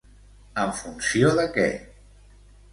En funció de què?